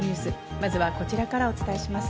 まずはこちらからお伝えします。